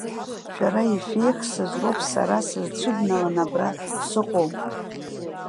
Шәара ишәеихсыз роуп сара сызцәыбналан абра сыҟоу.